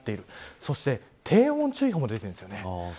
そして低温注意報も出ています。